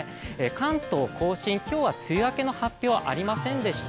関東甲信、今日は梅雨明けの発表はありませんでした。